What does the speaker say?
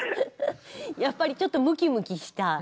やっぱりちょっとムキムキした。